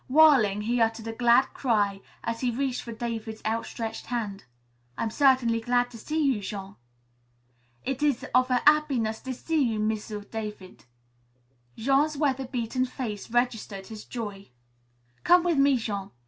Whirling, he uttered a glad cry as he reached for David's outstretched hand. "I'm certainly glad to see you, Jean." "It is of a 'appiness to see you, M'sieu' David." Jean's weather beaten face registered his joy. "Come with me, Jean.